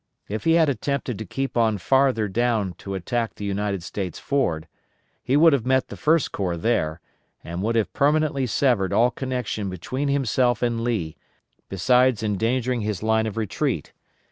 If he had attempted to keep on farther down to attack the United States Ford, he would have met the First Corps there, and would have permanently severed all connection between himself and Lee, besides endangering his line of retreat.